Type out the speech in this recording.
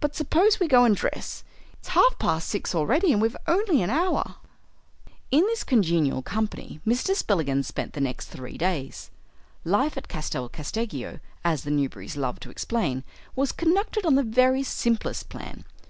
But suppose we go and dress? It's half past six already and we've only an hour." In this congenial company Mr. Spillikins spent the next three days. Life at Castel Casteggio, as the Newberrys loved to explain, was conducted on the very simplest plan.